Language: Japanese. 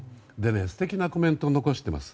素敵なコメントを残しています。